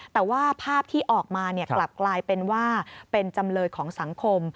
แต่ว่าภาพที่ออกมากลับกลายเป็นว่าเป็นจำเลยของสังคม